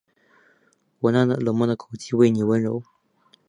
我那冷漠的口气为妳温柔